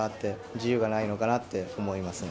自由がないのかなって思いますね。